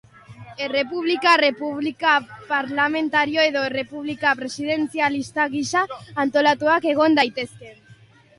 Errepublikak errepublika parlamentario edo errepublika presidentzialista gisa antolatuak egon daitezke.